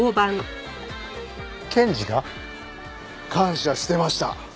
検事が？感謝してました。